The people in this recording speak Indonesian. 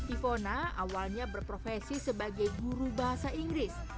ivona awalnya berprofesi sebagai guru bahasa inggris